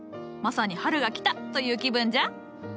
まさに春が来たという気分じゃ。